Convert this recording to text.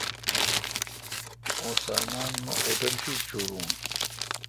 اوں سامان مہ اوٹل شی چھور۔